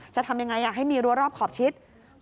จะทำอย่างไรอยากให้มีรัวรอบขอบชิด